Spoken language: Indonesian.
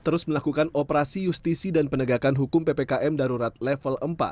terus melakukan operasi justisi dan penegakan hukum ppkm darurat level empat